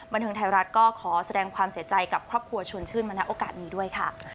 บันเทิงไทยรัฐก็ขอแสดงความเสียใจกับครอบครัวชวนชื่นมาณโอกาสนี้ด้วยค่ะ